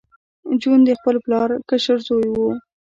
جون د خپل پلار کشر زوی و